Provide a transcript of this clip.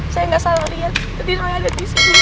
saya gak salah liat